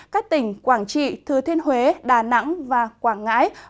các tỉnh quảng trị thừa thiên huế đà nẵng và quảng ngãi